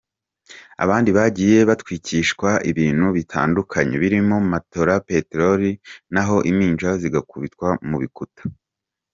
Abandi bagiye batwikishwa ibintu bitandukanye birimo matola, peteroli n’aho impinja zigakubitwa mu bikuta.